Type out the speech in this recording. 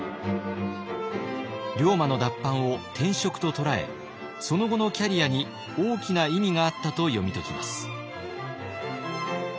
龍馬の脱藩を転職と捉えその後のキャリアに大きな意味があったと読み解きます。